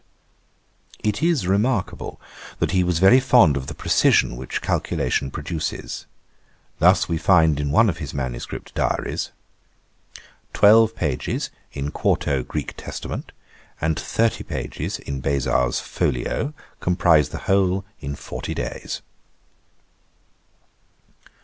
It is remarkable, that he was very fond of the precision which calculation produces. Thus we find in one of his manuscript diaries, '12 pages in 4to. Gr. Test, and 30 pages in Beza's folio, comprize the whole in 40 days.'